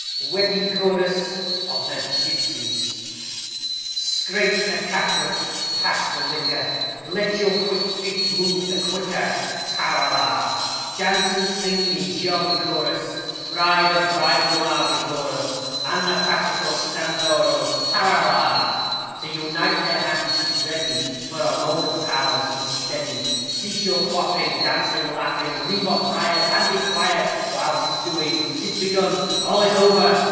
WEDDING CHORUS OF GIPSIES Scrape the catgut! pass the liquor! Let your quick feet move the quicker. Ta ra la! Dance and sing in jolly chorus, Bride and bridegroom are before us, And the patrico stands o'er us. Ta ra la! To unite their hands he's ready; For a moment, pals, be steady; Cease your quaffing, Dancing, laughing; Leave off riot, And be quiet, While 'tis doing. 'Tis begun, All is over!